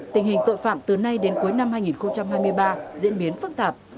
tình hình tội phạm từ nay đến cuối năm hai nghìn hai mươi ba diễn biến phức tạp